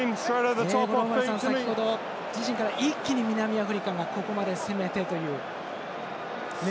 五郎丸さん、先ほど一気に南アフリカがここまで攻めてという。